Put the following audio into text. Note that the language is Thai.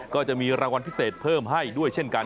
ก็จะมีรางวัลพิเศษเพิ่มให้ด้วยเช่นกัน